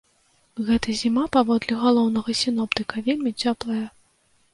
Гэтая зіма, паводле галоўнага сіноптыка, вельмі цёплая.